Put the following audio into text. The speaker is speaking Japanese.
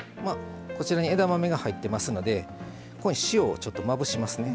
こちらに枝豆が入ってますので塩をちょっとまぶしますね。